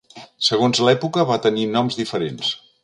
Segons l'època va tenir noms diferents.